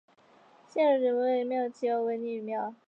县里的人为庙题额为烈女庙。